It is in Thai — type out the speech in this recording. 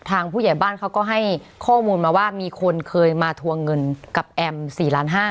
ผู้ใหญ่บ้านเขาก็ให้ข้อมูลมาว่ามีคนเคยมาทวงเงินกับแอม๔ล้านห้า